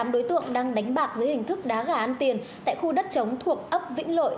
hai mươi tám đối tượng đang đánh bạc dưới hình thức đá gà ăn tiền tại khu đất chống thuộc ấp vĩnh lội